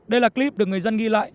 đây là clip được người dân ghi lại